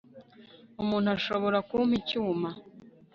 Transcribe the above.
Umuntu ashobora kumpa icyuma